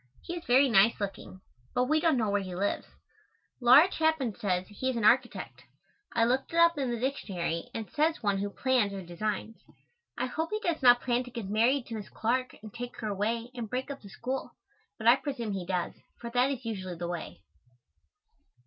He is very nice looking, but we don't know where he lives. Laura Chapin says he is an architect. I looked it up in the dictionary and it says one who plans or designs. I hope he does not plan to get married to Miss Clark and take her away and break up the school, but I presume he does, for that is usually the way.